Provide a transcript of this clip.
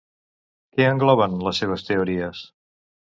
Què engloben les seves teories?